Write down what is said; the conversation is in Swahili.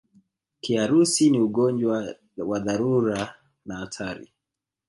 Kiharusi ni ugonjwa wa dharura na hatari